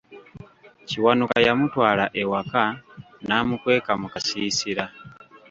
Kiwanuka yamutwala ewaka n'amukweka mu kasiisira.